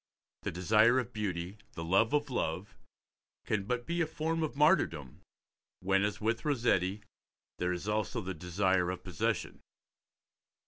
The desire of beauty, the love of love, can but be a form of martyrdom when, as with Rossetti, there is also the desire of possession.